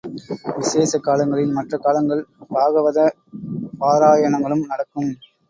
விசேஷ காலங்களில் மற்ற காலங்கள் பாகவத பாராயணங்களும் நடக்கும்.